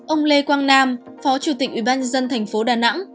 ông lê quang nam phó chủ tịch ủy ban dân thành phố đà nẵng